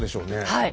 はい！